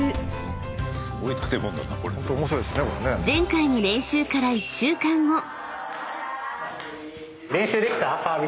［前回の練習から１週間後］